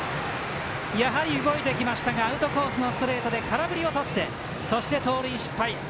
やはり、動いてきましたがアウトコースのストレートで空振りを取ってそして盗塁失敗。